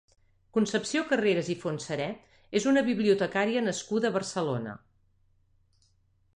Concepció Carreras i Fontserè és una bibliotecària nascuda a Barcelona.